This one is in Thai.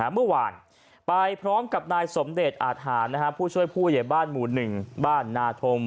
เมื่อวานไปพร้อมกับนายสมเดชอาทหารผู้ช่วยผู้ใหญ่บ้านหมู่๑บ้านนาธม